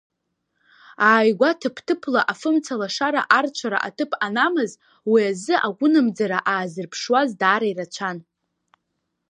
Ааигәа ҭыԥ-ҭыԥла афымцалашара арцәара аҭыԥ анамаз, уи азы агәынамӡара аазырԥшуаз даара ирацәан.